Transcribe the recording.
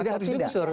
tidak harus digusur